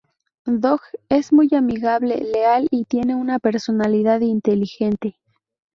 Dog: es muy amigable, leal y tiene una personalidad inteligente.